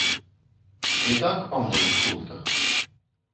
І так па многіх пунктах.